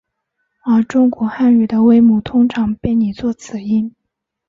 而中古汉语的微母通常被拟作此音。